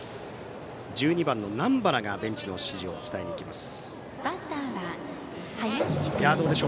１２番の南原がベンチの指示を伝えます。